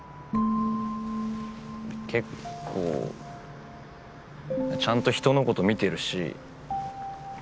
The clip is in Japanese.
結構ちゃんと人のこと見てるし。